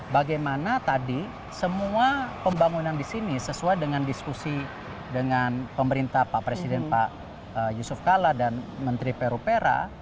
bagaimana tadi semua pembangunan di sini sesuai dengan diskusi dengan pemerintah pak presiden pak yusuf kala dan menteri peru pera